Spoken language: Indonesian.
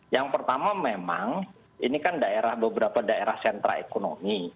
yang pertama memang ini kan daerah beberapa daerah sentra ekonomi